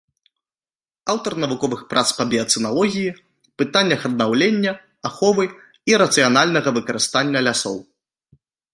Аўтар навуковых прац па біяцэналогіі, пытаннях аднаўлення, аховы і рацыянальнага выкарыстання лясоў.